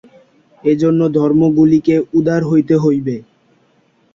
এইজন্য ধর্মগুলিকে উদার হইতে হইবে।